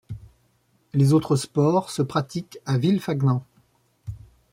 Les autres sports se pratiquent à Villefagnan.